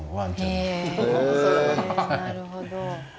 なるほど。